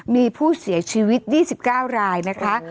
มีผู้เสียชีวิต๒๙รายนะคะ